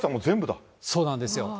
そうなんですよ。